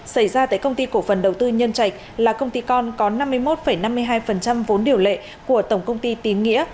xảy ra tại công ty cổ phần đầu tư nhân trạch là công ty con có năm mươi một năm mươi hai vốn điều lệ của tổng công ty tín nghĩa